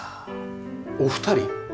お二人？